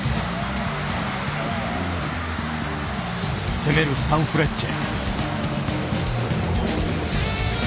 攻めるサンフレッチェ。